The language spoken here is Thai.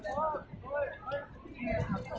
เวลาแรกพี่เห็นแวว